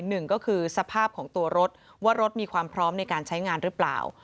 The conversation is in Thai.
หนึ่งก็คือสภาพของตัวรถว่ารถมีความพร้อมในการใช้งานหรือเปล่า